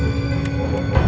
ya kita berhasil